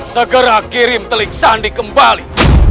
segera kirim telik sandi kembali